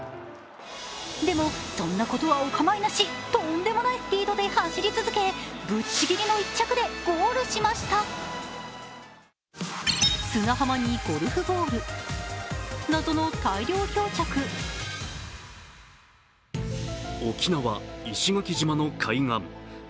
でも、そんなことはお構いなしとんでもないスピードで走り続けぶっちぎりの１着でゴールしました沖縄・石垣島の海岸。